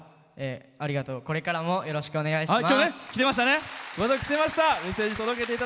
ありがとうこれからもよろしくお願いします。